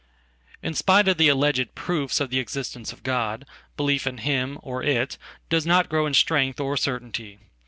In spite of the alleged "proofs" of the existence of God, belief in him, or it, does not grow in strength or certainty.